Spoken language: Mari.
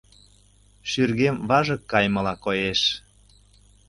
Шӱргем важык кайымыла коеш.